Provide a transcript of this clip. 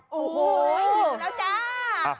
โอ้โหหมดแล้วจ้า